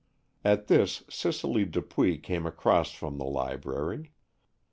At this Cicely Dupuy came across from the library.